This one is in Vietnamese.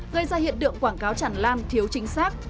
gây ra hiện tượng quảng cáo chẳng lan thiếu chính xác